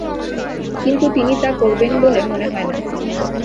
কিন্তু তিনি তা করবেন বলে মনে হয় না।